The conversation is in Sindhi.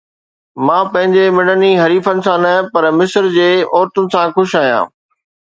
مان پنهنجي مڙني حريفن سان نه، پر مصر جي عورتن سان خوش آهيان